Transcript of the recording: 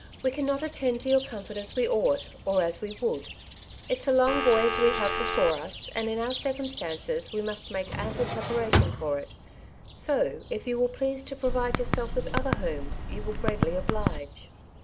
We cannot attend to your comfort as we ought, or as we would. It's a long voyage we have before us, and, in our circumstances, we must make antiple prepara tion for it ; so, if you will please to provide yourselves with other homes you will greatly oblige."